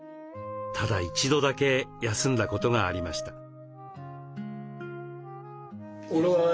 ただ一度だけ休んだことがありました。